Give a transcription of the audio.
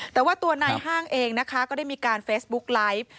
แต่ว่าตัวนายห้างเองนะคะก็ได้มีการเฟซบุ๊กไลฟ์